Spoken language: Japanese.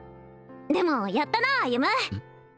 でもやったな歩！